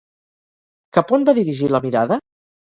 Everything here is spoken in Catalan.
Cap on va dirigir la mirada?